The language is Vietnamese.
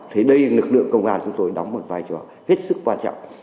thì đây lực lượng công an chúng tôi đóng một vai trò hết sức quan trọng